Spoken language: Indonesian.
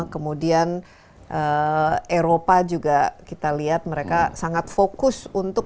kemudian eropa juga kita lihat mereka sangat fokus untuk